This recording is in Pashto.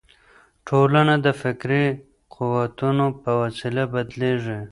ټولنه د فکري قوتونو په وسیله بدلیږي.